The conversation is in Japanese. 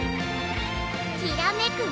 きらめく